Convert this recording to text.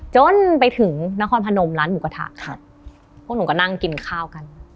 จนไปถึงนครพนมร้านหมูกระทะครับพวกหนูก็นั่งกินข้าวกัน